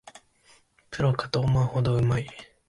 プロかと思うほどうまい